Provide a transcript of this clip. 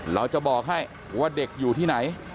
เราจะบอกให้ว่าเด็กอยู่ที่ไหน